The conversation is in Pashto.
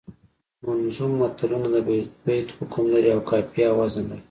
منظوم متلونه د بیت حکم لري او قافیه او وزن لري